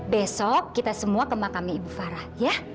besok kita semua ke makam ibu farah ya